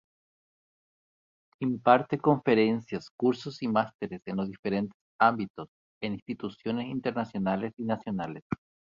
Imparte conferencias, cursos y másteres en los diferentes ámbitos, en instituciones internacionales y nacionales.